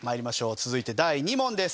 続いて第２問です。